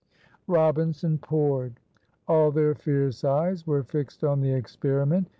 Robinson poured. All their fierce eyes were fixed on the experiment.